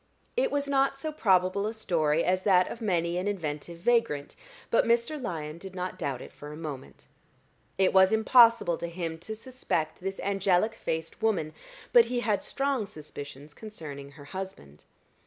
It was not so probable a story as that of many an inventive vagrant; but Mr. Lyon did not doubt it for a moment. It was impossible to him to suspect this angelic faced woman, but he had strong suspicions concerning her husband.